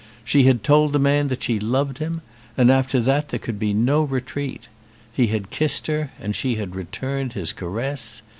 She had told the man that she loved him, and after that there could be no retreat. He had kissed her, and she had returned his caress.